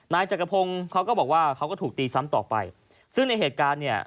นายจักรพงศ์เขาก็บอกว่าเขาก็ถูกตีซ้ำต่อไปซึ่งในเหตุการณ์เนี่ย